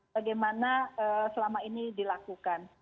bagaimana selama ini dilakukan